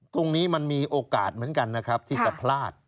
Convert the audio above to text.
ตรงนี้มันมีโอกาสเหมือนกันนะครับที่จะพลาด